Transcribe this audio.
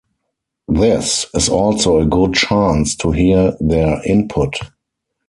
This is also a good chance to hear their input.